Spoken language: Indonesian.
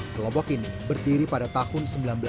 kelompok ini berdiri pada tahun seribu sembilan ratus sembilan puluh